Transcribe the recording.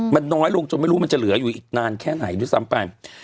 มันน้อยลงจนไม่รู้มันจะเหลืออยู่อีกนานแค่ไหนด้วยซ้ำไป